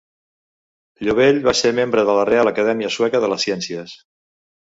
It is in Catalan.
Lovell va ser membre de la Reial Acadèmia Sueca de les Ciències.